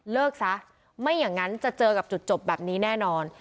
ซะไม่อย่างนั้นจะเจอกับจุดจบแบบนี้แน่นอน